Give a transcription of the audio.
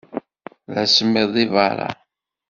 D asemmiḍ deg beṛṛa.